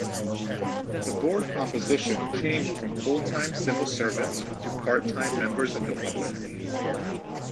The Board composition changed from full-time civil servants to part-time members of the public.